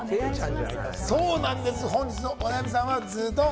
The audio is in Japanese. そうなんです、本日のお悩みさんはズドン！